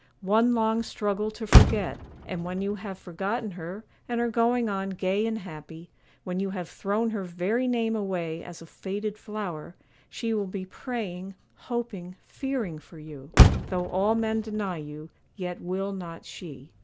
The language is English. one long struggle to forget; and when you have forgotten her, and are going on gay and happy, when you have thrown her very name away as a faded flower, she will be praying, hoping, fearing for you; though all men deny you, yet will not she.